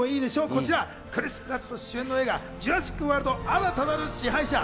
こちらクリス・プラット主演の映画『ジュラシック・ワールド／新たなる支配者』。